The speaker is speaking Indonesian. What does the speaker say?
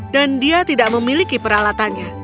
dan dia tidak memiliki peralatannya